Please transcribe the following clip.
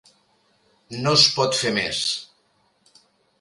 No es pot fer més.